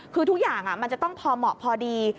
คือทุกอย่างมันจะต้องพอเหมาะพอดี